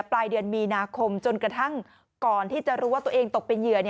ปลายเดือนมีนาคมจนกระทั่งก่อนที่จะรู้ว่าตัวเองตกเป็นเหยื่อ